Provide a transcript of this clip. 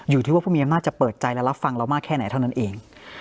อยู่ที่ว่าผู้มีอำนาจจะเปิดใจและรับฟังเรามากแค่ไหนเท่านั้นเอง